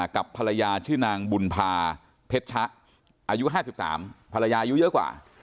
กับภรรยาชื่อนางบุญพาเพชรชะอายุ๕๓ภรรยาอายุเยอะกว่า